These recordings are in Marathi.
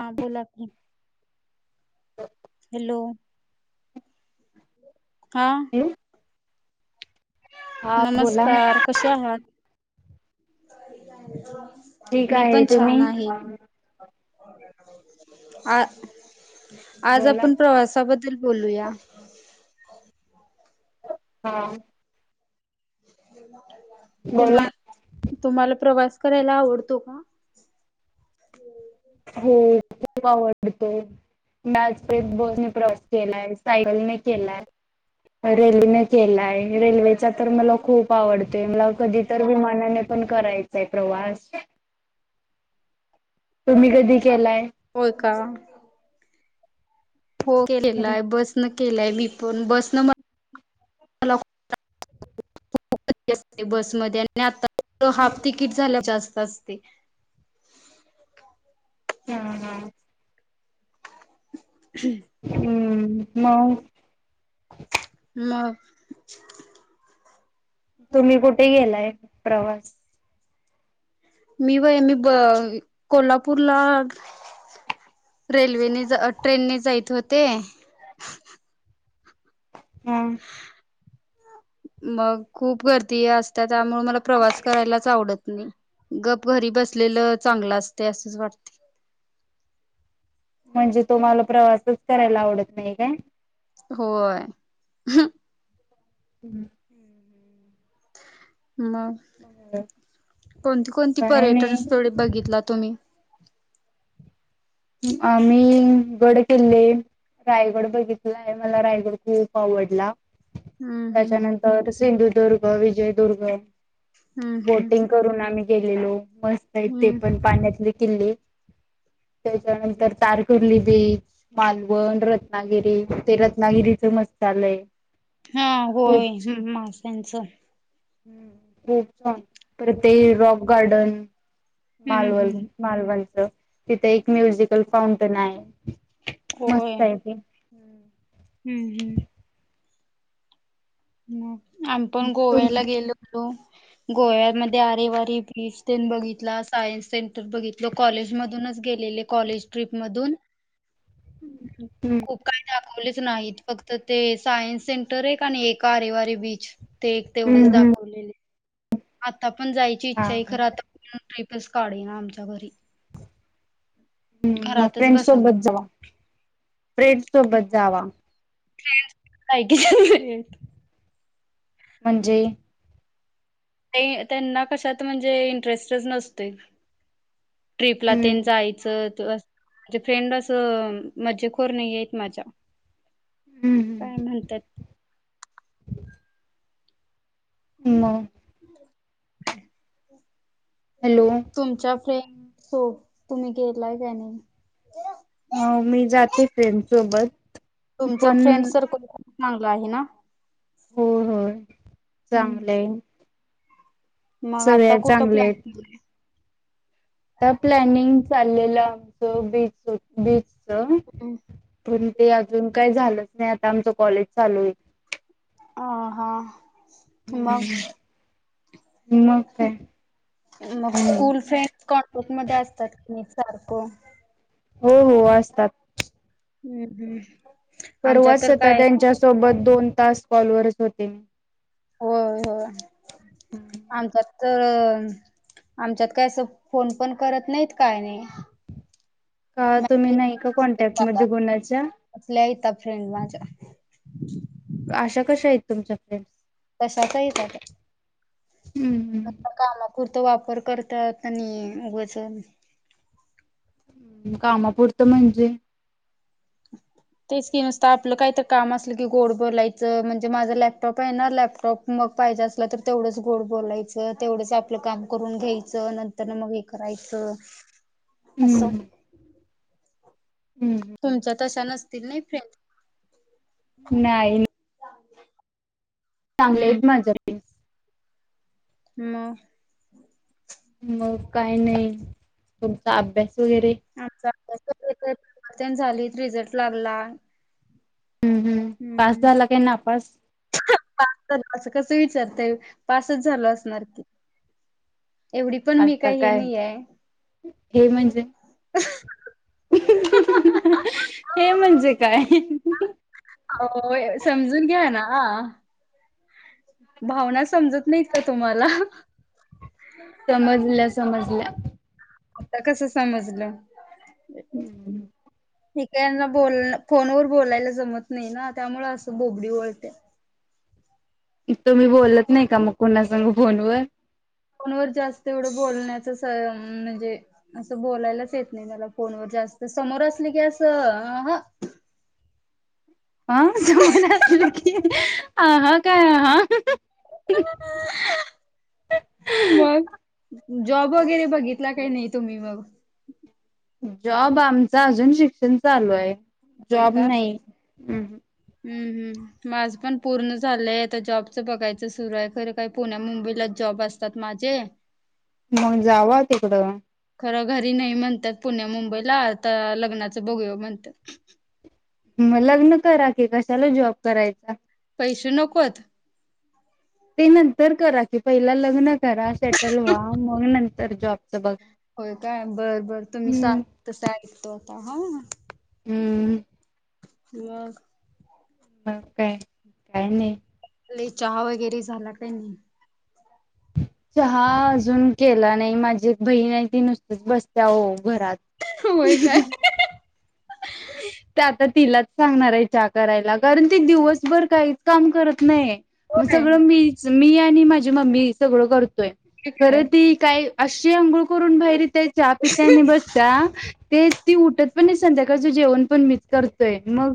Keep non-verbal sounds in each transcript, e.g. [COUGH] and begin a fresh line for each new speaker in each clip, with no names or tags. हा बोला की हॅलो. [INAUDIBLE] हा.
हॅलो हा बोला
नमस्कार कशे आहात. [UNINTELLIGIBLE]
ठीक
मी
आहे
पण छान
तुम्ही.
आहे आ. आज
बोला
आपण प्रवासाबद्दल बोलूया
हा.
[INAUDIBLE]
बोला
तुम्हाला तुम्हाला प्रवास. करायला आवडतो? हहा [UNINTELLIGIBLE]
जप [UNINTELLIGIBLE] बसने प्रवास केलाय सायकलने केलायरेल्ने केलाय रेल्वेचा तर मला खूप आवडते मला कधी तर विमानाने पण करायचांय प्रवास. तुम्ही कधी? केलाय
होय. हो केलेला आहे बस ने केलाय मी पण बस न [UNINTELLIGIBLE] बसमध्ये आणि आता तो हाफ तिकीट झालं जास्त रस्ते
हम्म, हम्म आम् म
हा
तुम्ही कुठे गेलाय? प्रवास
मी होय मी कोल्हापूरला रेल्वेने ट्रेनने जाइत होते.
हम्
मग खूप गर्दी असत्यात त्यामुळे मला प्रवास करायलाच आवडत गप घरी बसलेलं चांगलं असत असंच वाटतय.
म्हणजे तुम्हाला प्रवासच करायला आवडत नाही काय?
होय.
हम्
मग कोणती कोणती
काय
पर्यटन
नाही
स्थळे बघितला तुम्ही? [INAUDIBLE]
आम्ही गड किल्ले रायगड बघितलाय मला रायगड खूप आवडला.
हम्म हम्म
त्याच्यानंतर सिंधुदुर्ग विजयदुर्ग
हम्म हम्म
बोटिंग करून आम्ही ते गेलो मस्त आहेत ते
हम्म
पण पाण्यातले किल्ले त्याच्यानंतर तार करली बीच मालवण रत्नागिरी ते रत्नागिरीच मस्त चालय
हा होय, हम्म, हा ह्याच
हम्म खूप छन तर ते रॉक गार्डन
हम्म हम्म
मालवन, मालवन हो. तिथं एक म्युझिकल- कोणत नाही.
होय
मस्त आहे ते. [UNINTELLIGIBLE]
हम्म हम्म. हम्म. आम्ही पण
तुम
गोव्याला गेलो होतो, गोव्यामध्ये आरेवारी बीच बघितला., सायन्स सेंटर बघितलं कॉलेज मधूनच गेलेले कॉलेज ट्रिप मधून., खूप काही दाखवल काॅलेज नाहीत फक्त ते सायन्स सेंटर आहे का नाही ते कारेवारी बीच- ते एक
हम्म
तेवढंच
हम्म
दाखवलेले. आता पण जायची इच्छा आहे, खरं
हा
आता कोण ट्रिपच काढना आमच्या घरी.
हम्म मगं
घरातच
फ्रेंड
बसा
सोबत
म्हणतात.
जावा फ्रेंड सोबत जावा.
[UNINTELLIGIBLE]
म्हणजे-,
ते त्यांना कशात म्हणजे इंटरेस्टच नसतयं. ट्रीपला
हम्म
तेन जायचं.. माझे फ्रेंड असं मज्जेखोर नाही आहेत माझ्या. काय
हम्म
म्हणतात.
हम्म मगं.
[UNINTELLIGIBLE]
हॅलो,
फ्रेंड्स सोबत तुम्ही गेलाय की नाही.
हा मी जाते फ्रेंड सोबत पण
चांगलं आहे ना.
हो हो
हम्म.
चांगलंय
मगं
सगळ्या
आता कुठं
चांगले
प्लॅन
आहेत
केलेलाय
प्लॅनिंग चाल लेलं आमचं बीच बीच पण ते अजून काय झालं नाही आता आमच कॉलेज चालू होईल..
हा हा. मग
हम्म, मग काय
मग
काय नाही.
स्कूल फ्रेंड कॉन्टॅक्ट मधेअसतात. सारको
हो हो असतात.
अ हम्म. आमच्यात
परवाच
तर
होता
काय
त्यांच्यासोबत. दोन तास कॉल वरच होते.
होय होय. आमच्यात. तर आमच्यात काय अस फोन पण करत नाहीत काय नाही.
का तुम्ही
मेसेज
नाही का
असतोय
कॉन्टॅक्ट
साधा.
मधे कुन्हाच्या?
[UNINTELLIGIBLE]
अशा कशा आहेत तुमच्या फ्रेंड्स
कशाचहीेतात.
हम्म हम्म.
कुर्त वापर करतात आणि उगच.
कामापुरतं म्हणजे
तेच की नसत आपलं काही तर काम असलं की गोड बोलायचं म्हणजे माझं लॅपटॉप आहे ना, लॅपटॉप मग पाहिजे असलं त तेवढंच गोड बोलायचं तेवढंच अप आपलं काम करून घ्यायचं नंतर न मग हे करायचं असं. [INAUDIBLE]
हम्म
तुमच्या तशा नस [UNINTELLIGIBLE]
नाही. चांगले
हम्म
आहेत माझ.
म
मग काही नाही तुमचा आभ्यास. वगैरे
परवन [UNINTELLIGIBLE] त्यांन झालीत रिझल्ट लागला.
हम्म
हम्म
पास
हम्म
झाला काय नापास
[UNINTELLIGIBLE] अस कस विचारताय पास त झाल असणार की एवढी पण मी
आता
काही हे
काय
नाही आहे.
हे म्हणजे. हे म्हणजे काय
होय समजून घ्या ना, हा. भावना समजत नाहीत का तुम्हाला.
समजल्या समजल्या.
आता कसं समजलं. हम् [INAUDIBLE] कना बोल फोनवर बोलायला जमत नाही ना त्यामुळे असं बोबडी ओळते.
तुम्ही बोलत नाही का मग कोणा सांग फोन वर?
फोनवर जास्त एवढं बोलण्याच म्हणजे असं बोलायलाच येत नाही मला फोनवर जास्त समोर असली की असं अह
ह स मन असलं की. आ ह काय आहा
मग. जॉब वगैरे बघितला काही नाही तुम्ही मग?
जॉब आमचा अजून शिक्षण चालू आहे. जॉब नाही. हम् हम.
हम् हम् माझ पण पूर्ण झालंय आता जॉबचं बघायचं सुरू आहे, खरं काय पुण्या मुंबईलाच जॉब असतात माझे.
मग जाव तिकडं.
खरं घरी नाही म्हणतात पुण्या मुंबईला आता लग्नाचं बघूया म्हणत्यात.
मग लग्न करा कि, कशाला जॉब करायचा?
पैसे नकोत?
ते नंतर करा कि पहिला लग्न करा, सेटल व्हा, मग नंतर जॉब
होय काय बरं बर तुम्ही
हम्म.
सांग तस ऐकतो आता हा.
हम्म.
मग.
मग काय? काय नाही.
चहा वगैरे झाला काय नाही.
चहा अजून केला नाही. माझी एक बहीण आहे ती नुसतीच बसत्या ओ बरच.
होय काय
ते आता तिलाच सांगणार आहे चा करायला. कारण, ती दिवसभर काहीच काम करत नाही. मग
होय
सगळं मीच मी आणि माझी मम्मी सगळं करतो
ते
खर
काय
त काय. अंघोळ करून बाहेर त्या च्या पित्यानी बसता तेच ती उठत. [UNINTELLIGIBLE] जेवण पण मीच करतोय. मग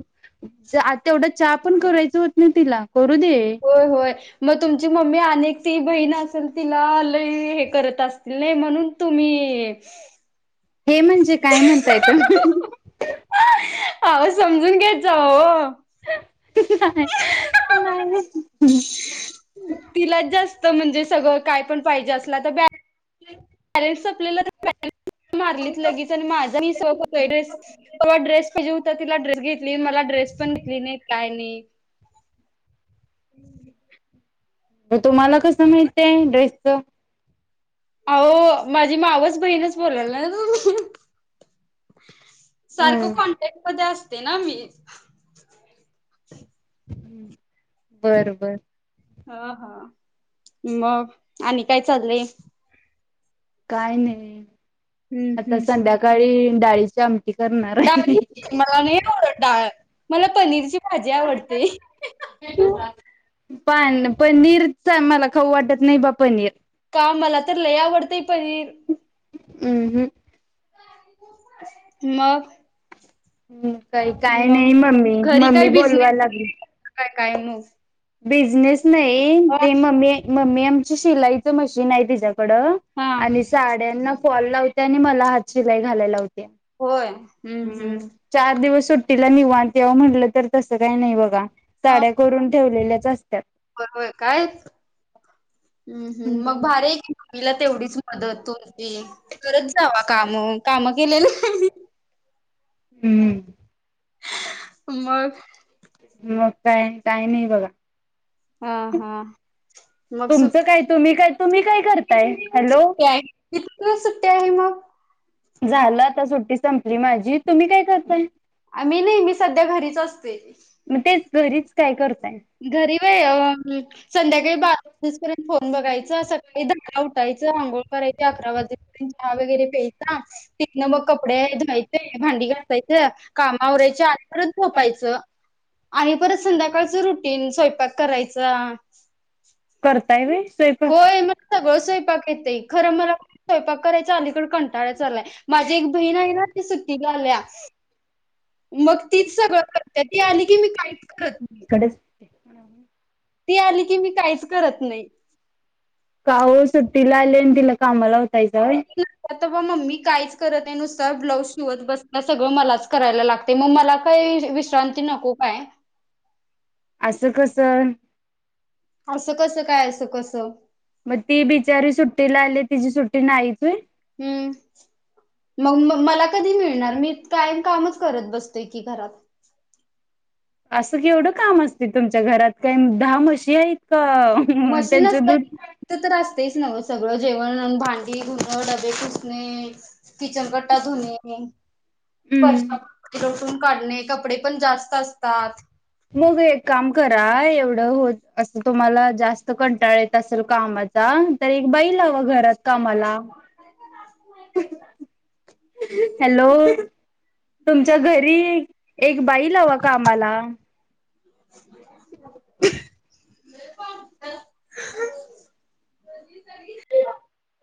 आता एवढ चहा पण करायच होत नाही तिला दे.
होय होय. म तुमची मम्मी अनेक ती बहीण असेल, तिला लय हे करत असतील नाही म्हणून तुमिअ
हे म्हणजे काय म्हणताय तुम्ही?
आव समजून घ्यायच. घेत जावा ओ. तिला जास्त म्हणजे स सगळं काय पण पाहिजे असला तर बॅ बॅलेन्स संपलेला तर मारलीच लगेच, आन माझा [UNINTELLIGIBLE] तवा ड्रेस पाहिजे होता. तर तिला ड्रे स घेतली. मला ड्रेस पण घेतली नाही काय नाही? [INAUDIBLE]
[UNINTELLIGIBLE] म तुम्हाला कसं माहित ते ड्रेसच?
आओ माझी मावस बहीणच बोलाल्या न्हव. सारखं कॉन्टॅक्टमध्ये अस ते ना मी.
हम्म. बर बर.
हा हा मग आणि काय चाललंय?
काय नाही
हम्म
आता
हम्म
संध्याकाळी डाळीच ची आमटी. करणार
डाळ
आहे.
मला नाही, आवडत डाळ मला पनीरची भाजी आवडते
पण पनीर तर मला खाऊ वाटत नाही बाबा पनीर
का? मला तर लय आवडतय पनीर.
हू हुं.
मग.
हम्म. ताई काय नाही मम्मी
मग घरी काय
-मम्मी
बिझनेस
बोलवायला लागली.
काय काय मोज?
बिझनेस नाही ते मम्मी मम्मी आमची शिलाईच मशीन हाय तिच्याकड
हा
आणि साड्यांना फॉल लावतिया आणि म मला हात शिलाई घालायला लाव हम्म चार दिवस सुट्टीला निवांत यावं म्हटलं तर? तसं काही नाही बघा
हा
साड्या करून ठेवलेल्याच असत्यात
हम् हम् मग भारी आहे की ममीला तेवढीच मदत पण हो ते करत जावा काम काम केलेलं
हम्म.
मग
मग काय काही नाही बघा
हा हा मग
तुमचं
सुप
काय तुम्ही काय तुम्ही काय कर
सुट्टी आहे किती दिवस सुट्टी आहे मग?
झालं आता सुट्टी सं रे माझी तुम्ही काय करताय?
आम्ही नाही मी सध्या घरीच असते
मग तेच घरीच काय करताय
घरी वय अ उ संध्याकाळी बारा वाजेपर्यंत फोन बघायचा, सकाळी दंगा उठायचं आंघोळ करायच, अकरा वाजेपर्यंत चहा वगैरे प्यायचा, तिथनं मग कपडे धू भांडी घासायचं कामावरयच्यात परत झोपायचं. आणि परत संध्याकाळच रुट तीन स्वयपाक करायच. त हा.
करताय व्हय स्वयंपाक
होय मला सगळं स्वयंपाक येतय, खरं मला स्वयपाक करायच आलीकड कंटाळा चाललाय, माझी एक बहीण आहे ना. सुट्टीला आलया. मग तीच सगळं करत्या ती आली की, मी काम करत नाही.
हा [UNINTELLIGIBLE]
ती आली की, मी काहीच करत नाही.
का हो सु्टला आले अ दिलं कामाला तयजय [UNINTELLIGIBLE]
ह मम्मी कायच करत नुसता ब्लाउज सुवत बस सगळं मलाच करायला लागते मग मला काही जे विश्रांती नको काय.
असं कसं.
असं कसं काय असं कसं.
मग ती बिचारी सुट्टीला आली तिची सुट्टी नाहीच होय.
हम्म मग म मला कधी मिळणा, मी कायम कामच करत बसतो की घरात.
असं केवढं काम असते तुमच्या घरात काय दहा मशी आहेत. का अ हम्म त्यांचं दूध
तेच न सगळं जेवण भांडी धुणे डबे पुसणे ते किचन वट्टा धुणे.
हम्म.
फरशी पुसण काढणे कपडे पण जास्त असतात.
मग एक काम कर. काय एवढं होत असं तुम्हाला जास्त कंटाळ येत असेल कामाचा तर एक बाई लावा घरात कामाला हम्म अ हॅलो तुमच्या घरी एक बाईला लावा का कामाला.
[INAUDIBLE]
[UNINTELLIGIBLE]